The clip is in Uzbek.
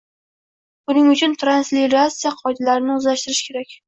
Buning uchun transliterasiya qoidalarini o‘zlashtirish kerak